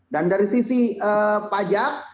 dan dari sisi pajak